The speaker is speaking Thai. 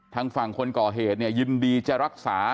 ทางฝั่งคนก่อเหย์ยินดีจะรักษา